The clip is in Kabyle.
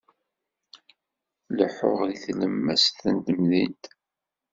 Leḥḥuɣ di tlemmast n temdint.